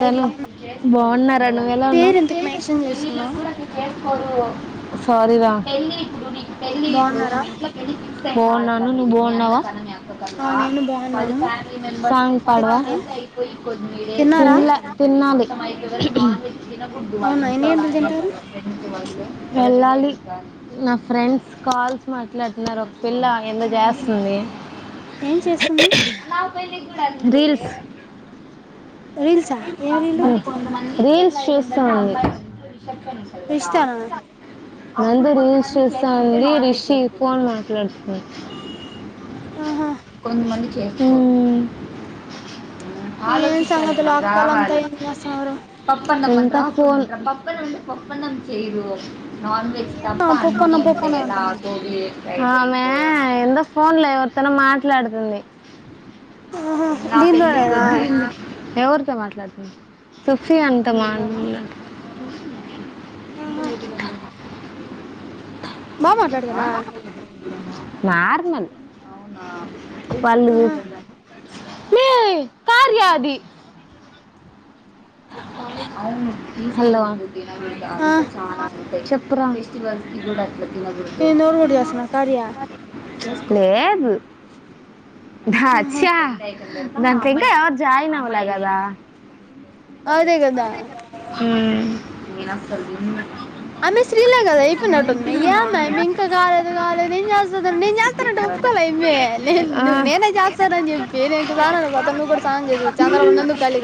Hi Dhanu బాగున్నా బాన్నార నువ్వు ఎలా పేరు ఉన్నావ్ ఎందుకు మెన్షన్ చేస్తున్నావ్ సారీ రా బాగున్నారా బావున్నాను నువ్వు బావున్నావా ఆ న్నా నేను పది బాగున్నాను ఫ్యామిలీ మెంబర్ తిన్నారా అయిపోయి కొద్మే తిన్నారా తిన్నల్లె తిన్నాలి ఇ నాకుడ్ అవునా దవాలని ఎన్ని గంటలు తింటారు ఫ్రెండ్ వ వెళ్ళాలి నా ఫ్రెండ్స్ కాల్స్ మాట్లాడుతున్నారు ఒక పిల్ల ఎందొ చేస్తంది ఏం చేస్తుంది రీల్స్ రీల్సా ఏం రీలు రీల్స్ చూస్తాంది. రిష్తానా నందు రీల్స్ చూస్తాంది రిషి ఫోన్ మాట్లాడుతున్నాడు. ఆహా హ్మ్ మ్మ్ ఏం సంగతులు అక్కోలంతా ఏం చేస్తున్నారు నాఫోన్ నాన్ ఆహా వెజ్ తప్ప ఏమో అన్నీ పప్పన్న ఉంటాయి పప్పన్న కదా అంటుంది గోబీ ఆమె ఎందో ఫోన్ లో ఎవరితోన మాట్లాడుతుంది ఆహా దీంట్లోనేనా ఎవరు మాట్లాడుతుంది సుఫీ అంటమా లే ఆహా బా మాట్లాడతారా నార్మల్ వాళ్ళు ఆహా మే.. కార్య అది హలో ఆ చెప్ ప్రా నేను నోరు కూడా చేస్తున్నా కార్య లేదు ద ఆహా ఛ దాంట్లో ఇంకా ఎవరు జాయిన్ అవ్వలేగదా అదే కదా హ్మ్ ఆమె శ్రీలే గదా అయిపోయినట్టుంది అమీ ఏ ఆమ్మాయ్ మీయి ఇంక కాలేదు కాలేదు ఏం చేస్తనర్ నేను చేస్తానంటే ఒప్పుకోవె ఆ, వు నేనే చేస్తా అని చెప్పి ననత నువ్వు కూడా స సానం చే చంద్రబాబు నందుకు కలి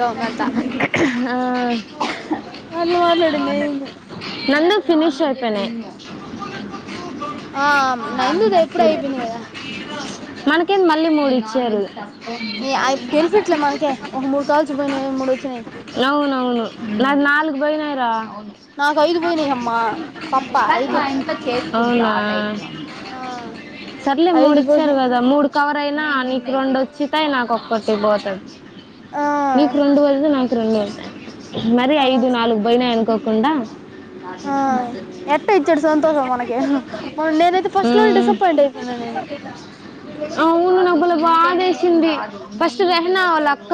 ఆ అట్లా మాట్లాడింది ఈమె నందు ఫనిష్ అయిపెన ఆ అ నందుది ఎప్పుడో అయిపోయింది కదా మనకేం మళ్ళీ మూడు ఇచ్చారు బెనిఫిట్ల మనకే ఒక మూడు కాల్స్ పోయినాయి మూడు వచ్చినాయి అవునవును నాది నాలుగు బైనయరా నాకు ఐదు పోయినాయి అమ్మా పప్ప ఐదు నీ ఆ సర్లే ఐదు మూడు ఇచ్చారు పోయినాయి వదా మూడు కవర్ అయినా నీకు రెండు వచ్చితా నాకు ఒక్కటి పోతుంది ఆ నీకు రెండు వలితే నాకు మరి అవును ఐదు నాలుగు పోయినాయి అనుకోకుండా ఆ ఎట్ట ఇచ్చాడు సంతోషం మనకి మొన్న నేనైతే ఫస్ట్ అ లోనే డిసప్పాయింట్ అయిపోయినా నేను సవు మూ నలు బాదేసింది ఫస్ట్ రెహనా వాళ అక్క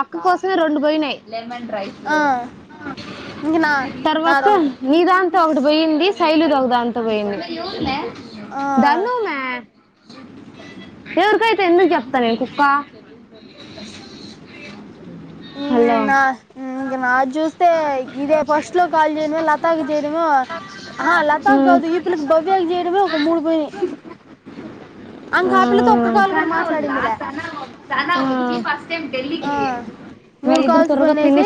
అక్క కోసమే రెండు వా ని ఆ ఇంక నా నాదొకటి ఒకటి పోయింది శైలు ద ఒకదా అంత పోయింది ఆ దన్నమా ఎవరికయితే ఎందుకు చెప్తా నేను కుక్క హలో నా ఇంక నాది చూస్తే ఇదే ఫస్ట్ లో కాల్ చేయడమో లతాకి చేయడము ఆ లతా ఉమ్, కాదు ఇప్పుకి భవ్యానికి చేయడమే ఒక మూడు పోయిని అం కాపిలతో ఒక్క ఆ, కాలు కూడా మాట్లాడిందిలా ఆ మూడు దురు త్వరగా ఫిని పోయినేసి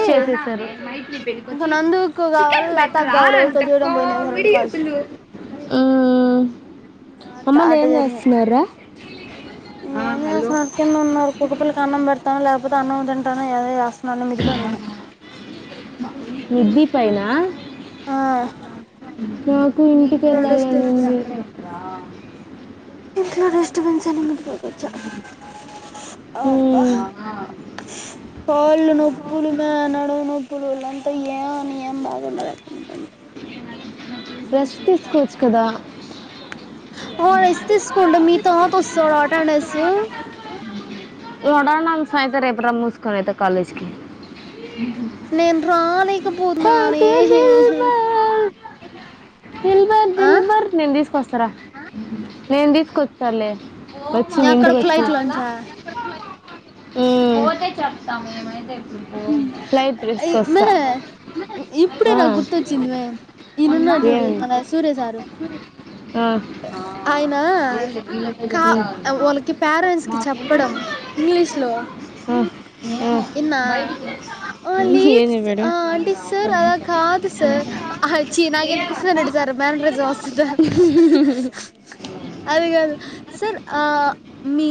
ఇంక చేసారుైట్చ్చ నందుకు కావాలి చెన్ లతాకు బెటరా కావాలి ఎవరితో చేయడం ఎంతకు పోయినయి ఒక రెండు కాల్స్ ఉమ్ అట్ట అమ్మలు అట్ట ఏం జరిగినయి చేస్తున్నారా ఏం చేస్తున్నారు కింద ఉన్నారు కుక్క పిల్లకు అన్నం ాను లేకపోతే అన్నం తింటాను ఏదో చేస్తున్నా అన్న ఇది పని ఉన్నా పైనా నాకు ఇంటికి ఇంట్లో వెల్లాలని డిస్టబెన్స్ ఉంది మసాల మీచ్చ అబా మ్మ్. కాళ్ళు నొప్పులు మే నడవు నొప్పులు వాళంతా ఏ అని ఏం బాగుండంటుంది రెస్ట్ తీస్కోవచ్చు కదా రెస్ట్ తీసుకోంటె మీతో తసడ టాండస్ నోడా అమ్స అయితే రేపురా ముూసుకని అయిత కాలేజ్కి నేను రాలేక పోతున్నానే దిల్ బర్ దిల్ బారు నేను తీసుకొస్త నేను తీసుకొస్తాలే వచ్చి ఎక్కడ నిండి వచ్చు ఫ్లైట్ లోంచా పో చె ఫ్లైట్ రేస్క మే వస్తా ఇప్పుడే నాకు గుర్తొచ్చిందివే ఈయన ఉన్నాడు చూడు ఏం- మన సూర్య సారు ఆ, ఆ, ఆయనా కా వాళ్ళకి పేరెంట్స్ కి చెప్పడం ఇంగ్లీష్ లో ఇన్నా ఆ లేదు ఏను స- మేడం ఆ అంటే సార్ అలా కాదు సార్ ఆ, ఛీ నాకేంత కృష్ణారెడ్డి సార్ మేనరిజం వస్తదా అది కాదు సార్ మీ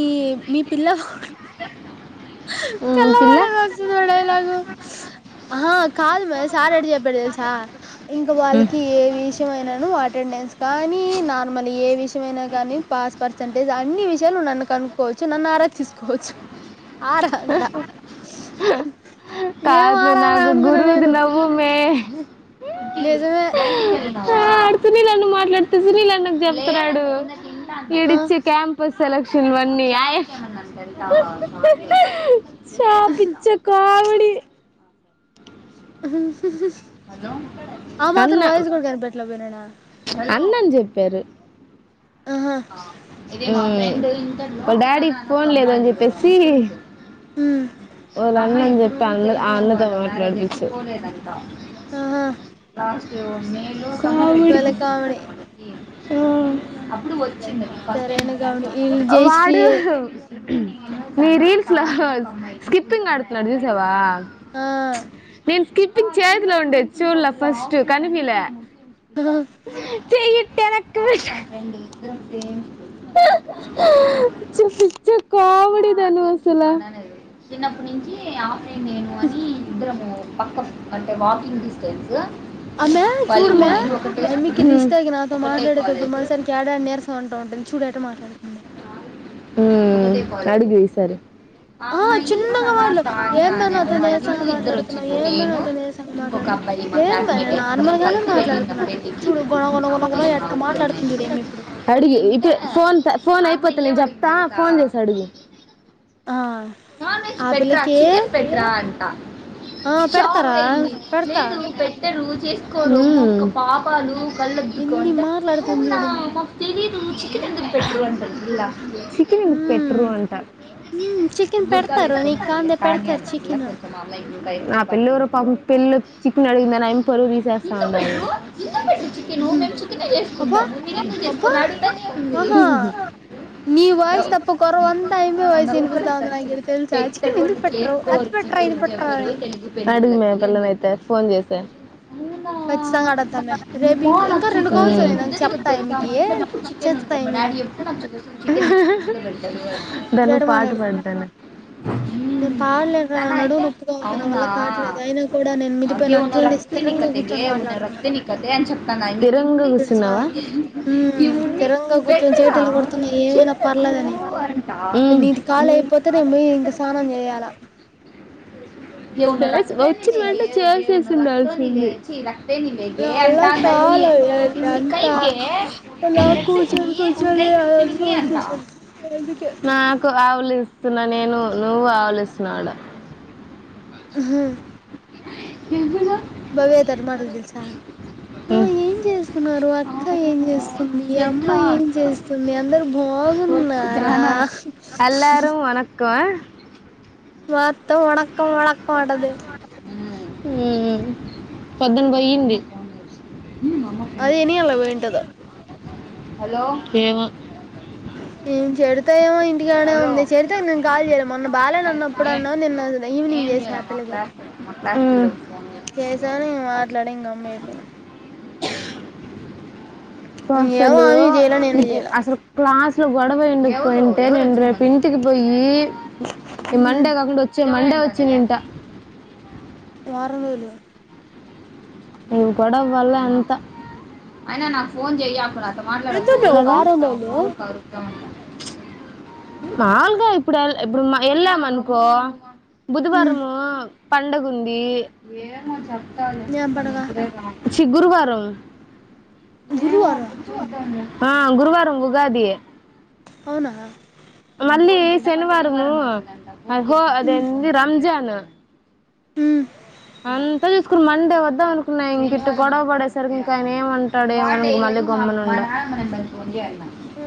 మీ పిల్ల ఉమ్, తెల పిల్ల వాడేసిందిడలాగ కాదు మరి సార్ రెడీ చెప్పారు తెలుసా ఇంకా వాళ్ళకి ఏ విషయం అయినాను అటెండెన్స్ కానీ నార్మల్ ఏ విషయ అయినా కానీ పాస్ పర్సంటేజ్ అన్ని విషయాలు నన్ను కనుకోవచ్చు నన్ను ఆ తీసుకోవచ్చు ఆరాంట ఏం కాదు ఆరాల నాకు అనుకున్నా గురువుది నేను నవ్వు మే నిజమే ఆ ఆడు సునీల్ అన్న మాట్లాడితే సునీల్ అన్నకు చెప్తన్నాడు, ఆ ఇడిచ్చే క్యాంపస్. సెలక్షన్ వన్నీ [inaudible] శ పిచ్చ కామిడీ ఆ మాత్రం వాయిస్ కూడా కనిపెట్టలేకపోయినాడ అన్నన్ చెప్పారు ఆహా ఉ వాళ్ల డాడీ పోన్ లేద అని చెప్పేసి ఉమ్ ఓలా అన్నని చెప్పి అన్న అన్నతో మాట్లాడ్పిచ్చు ఆహా మేలు బలే కామెడీ సరైన కామెడీ వీళ్ళు ఉ జయశ్రీ వాడు నీ రీల్స్ లో స్కిప్పింగ్ అడుతున్నాడు చూసావా ఆ స్కిప్పింగ్ చేతులో ఉండేది చూడల! ఫస్ట్ కనిపీల చెయ్యి. టెనక్కు పే [unintelligible] పిచ్చ పిచ్చ కామెడీ తను అసలా చిన్నప్పుడు నుంచి అంటే మేము అని ఇద్దరము పక్క అంటే వాకింగ్ డిస్టెన్స్ ఆమె చూడుమే అమ్మ అమ్మికి రిష్తాకి నాతో మాట్లాడేటప్పుడు మనసానికి ఏడాని నీరసం అంటూ ఉంటుంది చూడు ఎట్ట మాట్లాడుతుందో [unintelligible] మ్మ్ అడుగే ఆ అమ్మాయి చిన్నగా సనా మాట్లా సని ఏమ్మే ఆనే నాతో అమ్మాయి నీరసంగా ఇద్దరు మాట్లాడుతున్నావు వచ్చిండ్రు ఏమ్మే నేను నాతో నీరసంగా ఒక మాట్లాడుతున్నావు అబాయి మా లేదు మే క్లాస్మేట్ నేను అందరం నార్మల్ గానే కలిసి వెళ్లిన్నాం మాట్లాడుతున్నా అంటది పెండ్లికి చూడు గుణ గుణ గుణ గుణ ఎట్ట మాట్లాడుతుంది చూడు యమ్మి ఇప్పుడు [unintelligible] అడిగి ఇప్పుడే ఫోన్, ఫోన్ అయిపోతె నేను చెప్తా. ఫోన్ జేసి అడుగు ఆ నాన్ వెజ్ ఆ పెట్రా పిల్లకి చికెన్ పెట్రా అంటా ఆ పెడతారా షాకైయింది పెడతా లేదు పెట్టరు చేసుకోరు పాపాలు కళ్ళదుకో ఎన్ని అంటే మాట్లాడుతుంది అవునా చూడు మాకు తెలిదు చికెన్ ఎందుకు పెట్రు అంటారు పిల్లా చికెన్ ఎందుకు మ్మ్ పెట్రు అంటా మ్మ్ చికెన్ బుర్కా పెడతారు వెస్కొని నీకు వస్త కాందే [unintelligible] కానీ ఆ పెడతారు పిల్ల చికెన్ కొంచెం అమైకులు ఆ పిల్ల ఏవోరొ పాపం, పెళ్ల్లో చికెన్ నడిగినాను ఆయమ్మీ పరువు తీసేస్తాడారు. చూపిస్తా, చికెను మ్మ్ మేము అబ్బా చికెనేచేసుకుంటాము. మీరూ ఎందుకు అబ్బా చేసుకొరా అడుగుతానే ఆహా ఉంది. [unintelligible] నీ వాయిస్ తప్ప కొరవంతా ఈమె వాయిస్ పులో వినిపిస్తా ఉంది నాకు ఈడ సర్చింగ్ తెలుసా పెట్ట చికెన్ లో ఎందుకు నుంచి ఎం పెట్టరు అది కోరు? పెట్టరా ఇది పెట్టరా అని అడిగు మే పిల్లనైతే ఫోన్ చేసి ఖచ్చితంగా అడద్దామే రేపు ఇంక ఇంకా రెండు కాల్స్ ఉన్నాయి నాకు చెప్తా ఉ మా ఈమెకి ఇంట్లో గప్పుడు చికెన్ చేస్తా ఉంటది మా ఈమెని డాడీ ఎప్పుడు నాకు చికెన్ [unintelligible] పెడతాడు దను జడ పాట మాట్లాడుతున్నా పాడతన నేను పాడలేను రా నా సనా నడువు అయితే నొప్పిగా ఉంది నా అవునా వల్ల కావట్లేదు అయినా కూడా నేను మిదిపోయిన [unintelligible] రా అట్లనే [unintelligible] స్థిరంగా కూర్చొని మాట్లాడుతున్నా స్థిరంగా గుసున్నావా మ్మ్ స్థిరంగా కూర్చొని చేటీలు కొడుతున్నా. ఏమైనా పర్లేదని ఉమ్. నీది కాళయి, పోతే నే మీ ఇంకా స్నానం చేయ్యాలా వచ్చిన వెంటేనే చేసేసి ఉండాల్సింది. [inaudible] నా వల్ల కాలే అంతా అలా కూర్చొని కూర్చొని అదంతా వచ్చేసింది అందుకే నాకు ఆవలిస్ స్తున్నా నేను నువ్వు ఆవలిస్తున్నాడ అహా ఏవినా భవ్యతె ఎట్ల మాట్లాడితేలుసా ఆ ఏం చేస్తున్నారు. అక్క ఏం చేస్తుంది? అమ్మాయి ఏం చేస్తుంది? అందరు బా, బాగున్నారా? అల్లారం వనక్కం మొత్తం వణక్కం వణక్కం అంటంది. ఉమ్ పొద్దున్ పోయింది. అది ఇని ఇల వోయింటదో హలో ఏమో ఏం చెడతా ఏమో ఇప్ ఇంటికాడే ఉంది చేరితే నేను కాల్ చేయలే మొన్న బాలేను అన్నప్పుడు అన్నా నిన్న ఈవినింగ్ చేసా ఆపిల్లకి చేశాను మాట్లాడ ఇం గమ్మ్ అయిపోయిను. [unintelligible] ఏమో సలు ఆమె చేయలే నేను ఇది చేయలే అసలు క్లాస్ లో గొడవ ఎండుకుయింటే, నేను రేపు ఇంటికి పోయి ఈ ఉమ్ మండేకాకుండా వచ్చే. మండే వచ్చి తింట వారంరోజులు నేను గొడవ వల్లే అంత అయినా నాకు ఫోన్ చెయ్యాకు నాక్ ఎందమ్మే కదా వారం రోజులు మాల్గాల్ ఇప్పుడు ఇప్పుడు ఏళ్ల మనుకో ఉమ్ బుధవారము పండగుంది. ఏం పండగ చీ గురువారం గురువారం ఆ గురువారం ఉగాది అవునా మళ్ళీ శనివారము గో ఉమ్ అదేందీ రంజాన్ ఉమ్ అంతా చూసుకుని మండే వద్దా మనుకున్నాయి ఇంక ఇట్ గొడవ పడేసరికి ఇంకా ఆయన ఏమంటాడు ఏమో మా నానమ్మకు నేను ఫోన్ చేయన్నా ఆ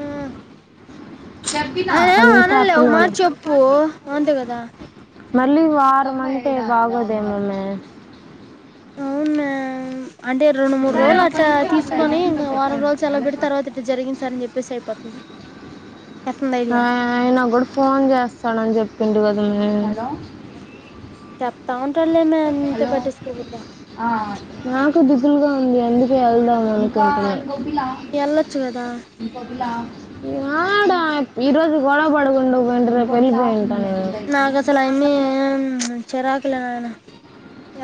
ఆయనేం అంత ఆ అనలే ఒక పిల్ల ల మాట చెప్పు అంతే కదా మళ్ళీ వారం అంటే బాగోదే మేమ్మ అవున్నే అంటే రెండు మూడు రోజులు అట్టా తీసుకొనింక వారం రోజులు అలా పెట్టి తర్వాత ఇటు జరిగింది సార్ అని చెప్పేసి అయిపోతది. ఆ అయనా కూడా ఫోన్ చేస్ స్తానని చెప్పిండు గాద నే చెప్తా ఉంటాడులేమే అంత పట్టిసుకకూడదా. నాకు దిగులుగా ఉంది. అందుకే వెళ్దాం అనుకు ఎల్లచ్చు గదా యాడా ఈరోజు గోడవడుకుంట పోయింటే రేపు ఎల్లిపోయుంట నాకుసలు ఆయనే చ్చ్ చిరాకులే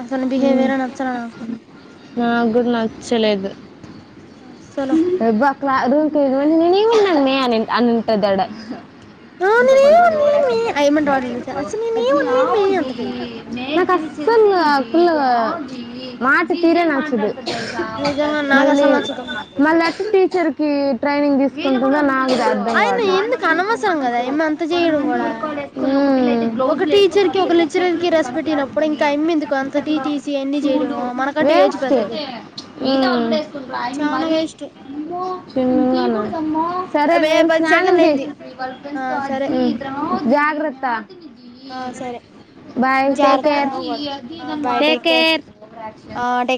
అతని ఉమ్, బిహేవియరే నచ్చలే నాకు నాకు గుడా నచ్చలేదు. అస్సలు బా కలా రూ నేను ఉన్నాను అమ్మి నే అని అనింటదిడ అ ఇంకా కొంతమంది ఓవర్ యాక్షన్ పెడుతుంటారు. తెలుసా అసలు నేనేం అనలేదు మే అంటది కుల కుళ్ళా గా మాట తీరే నచ్చదు. నిజంగా నాకు మళ్ళీ అసలు నచ్చదు మళ్ళీ టీచర్ కి ట్రైనింగ్ తీసుకుంటును నాగ్ నాక్ అర్ధం ఆయన కావట్లే ఎందుకు అనవసరం కదా అయమ్మ అంత చేయడం కూడా మ్ ఒక బ్లౌజ్లు యేసుకొని టీచర్ కి ఒక వచ్చేది లెక్చరర్ చేతులు కి రెస్పెక్ట్ ఇనప్పుడు కనపరకుడదని ఇంకా అయమ్మి ఎందుకు అంత ఇంటర్ లో టీటీసీ అన్ని షూలు చేయడము మనకంటే ఏ ఏజ్ మిగతా పెద్దది వల్ కూడా ఏసుకుంటారు ఆయన మరి అష్ట్ సరే వే నువ్ వెళ్ళి పది స్నానం సెకండ్లు చెయ్యి అయింది ఆ సరే మ్ జాగ్రత్త ఆ సరే బాయ్ టేక్ జాగ్రత్త కేర్ నువ్వు కూడా బాయ్ టేక్ కేర్ ఆ టేక్